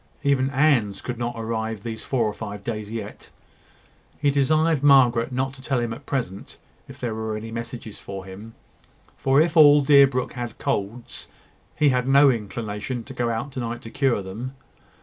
Even Anne's could not arrive these four or five days yet. He desired Margaret not to tell him at present if there were any messages for him; for, if all Deerbrook had colds, he had no inclination to go out to night to cure them.